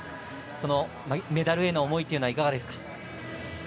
そのメダルへの思いというのはいかがですか？